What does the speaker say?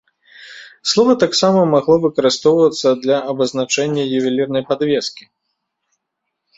Слова таксама магло выкарыстоўвацца для абазначэння ювелірнай падвескі.